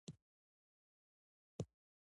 پابندي غرونه د افغانستان د جغرافیې یوه ښه بېلګه ده.